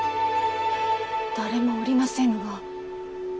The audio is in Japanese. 誰もおりませぬが。